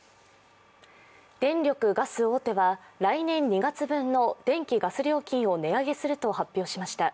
電力・ガス大手は来年２月分の電気・ガス料金を値上げすると発表しました。